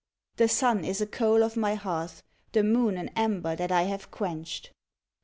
The sun is a coal of My hearth, the moon an ember that I have quenched; 27.